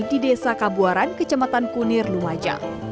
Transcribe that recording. di desa kabuaran kecamatan kunir lumajang